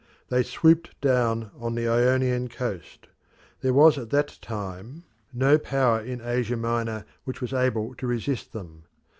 They swooped down on the Ionian coast there was at that time no power in Asia Minor which was able to resist them.